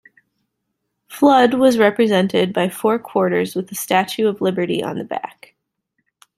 Flood was represented by four quarters with the Statue of Liberty on the back.